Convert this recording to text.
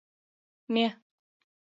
Ме